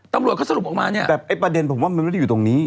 ตำรวจเขาสรุปออกมาเนี่ยแต่ไอ้ประเด็นผมว่ามันไม่ได้อยู่ตรงนี้